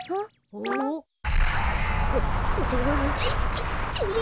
ここれはててれ。